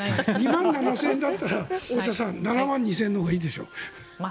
２万７０００円だったら７万２０００円のほうがいいでしょ。